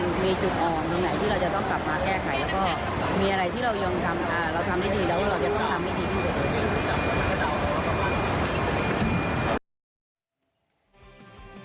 แล้วก็มีอะไรที่จะให้เราทำได้ดีเราก็ต้องทำได้ดีทรุดเลย